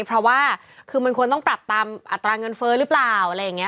เพราะว่าคือมันควรต้องปรับตามอัตราเงินเฟ้อหรือเปล่าอะไรอย่างนี้